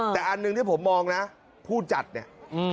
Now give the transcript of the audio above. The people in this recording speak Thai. แต่อันหนึ่งที่ผมมองนะผู้จัดเนี่ย